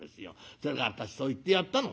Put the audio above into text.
それで私そう言ってやったの。